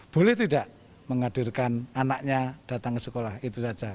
boleh tidak menghadirkan anaknya datang ke sekolah itu saja